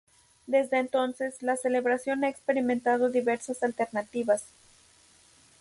Desde entonces la celebración ha experimentado diversas alternativas.